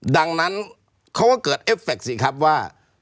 ดังนั้นเขาก็เกิดเอฟเฟคสิครับว่า